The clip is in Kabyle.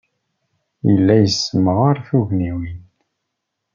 Yella yessemɣar tugniwin.